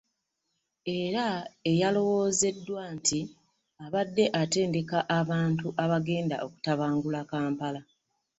Era eyalowoozeddwa nti abadde atendeka abantu abagenda okutabangula Kampala.